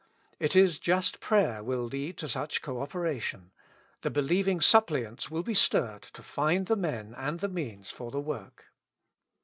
It is just prayer will lead to such co opera tion ; the believing suppliants will be stirred to find the men and the means for the work.